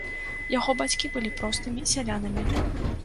Яго бацькі былі простымі сялянамі.